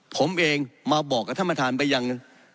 ผมเองมาบอกกับท่านประธานไปยัง